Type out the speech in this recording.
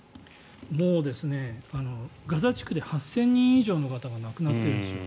もうガザ地区で８０００人以上の方が亡くなっているそう。